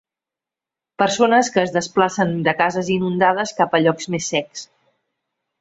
Persones que es desplacen de cases inundades cap a llocs més secs.